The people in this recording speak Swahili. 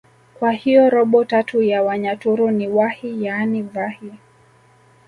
kwa hiyo robo tatu ya wanyaturu ni wahi yaani vahi